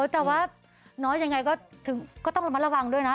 แต่ว่าน้อยยังไงก็ต้องระมัดระวังด้วยนะ